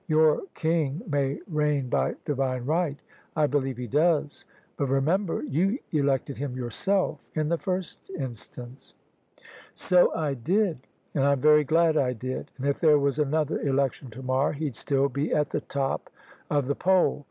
Your king may reign by divine right: I believe he does; but remember you elected him yourself in the first instance." "So I did; and I'm very glad I did; and if there was another election to morrow he'd still be at *the top of the poll.